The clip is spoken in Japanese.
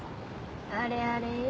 あれあれ？